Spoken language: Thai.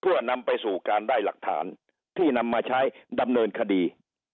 เพื่อนำไปสู่การได้หลักฐานที่นำมาใช้ดำเนินคดี